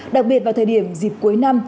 đặc biệt vào thời điểm dịp cuối năm